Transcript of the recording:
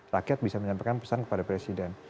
rakyat bisa menyampaikan pesan kepada presiden